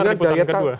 dengan daya tawar